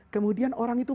kemudian orang itu